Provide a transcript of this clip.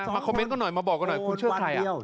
คอมเมนต์กันหน่อยมาบอกกันหน่อยคุณเชื่อใคร